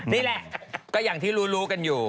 นี่แหละก็อย่างที่รู้กันอยู่